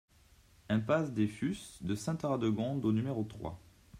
Impasse des Fus de Sainte-Radegonde au numéro trois